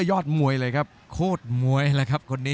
รับทราบบรรดาศักดิ์